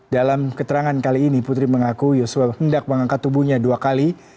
dalam keterangan kali ini putri mengaku yosua hendak mengangkat tubuhnya dua kali